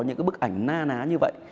những bức ảnh na ná như vậy